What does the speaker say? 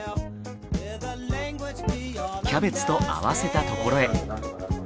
キャベツと合わせたところへ。